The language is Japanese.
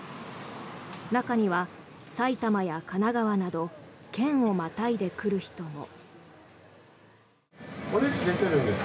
中には、埼玉や神奈川など県をまたいで来る人も。